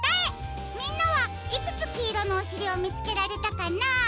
みんなはいくつきいろのおしりをみつけられたかな？